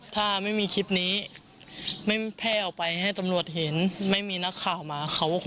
และก็ไม่มีถ้าคุณมาเรือกับกุญแปะ